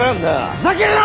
ふざけるな！